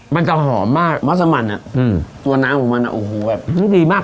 มันจะหอมมากมัสมันอืมตัวน้ำมันอืมมันดีมาก